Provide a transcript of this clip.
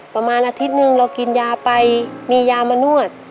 ประมาณอาทิตย์หนึ่งเรากินยาไปมียามานวด